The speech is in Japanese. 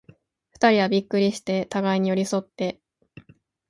二人はびっくりして、互に寄り添って、